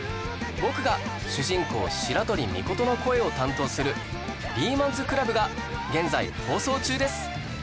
僕が主人公白鳥尊の声を担当する『リーマンズクラブ』が現在放送中です